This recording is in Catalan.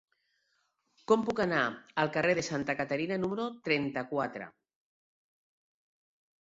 Com puc anar al carrer de Santa Caterina número trenta-quatre?